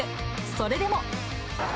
それでも。